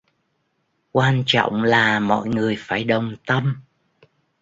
Quan trọng là mọi người phải đồng tâm